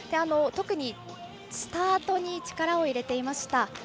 特に、スタートに力を入れていました。